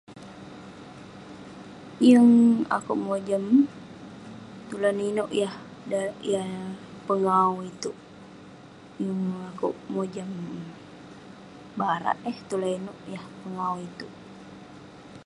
Yeng. akouk mojam tulan inouk yah..yah pengawu itouk..yeng akouk mojam. barak eh. Tulan inouk yah pengawu itouk.